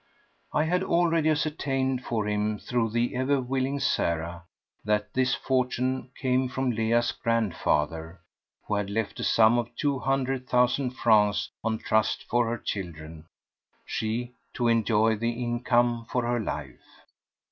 I had already ascertained for him, through the ever willing Sarah, that this fortune came from Leah's grandfather, who had left a sum of two hundred thousand francs on trust for her children, she to enjoy the income for her life.